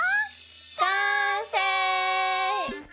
完成！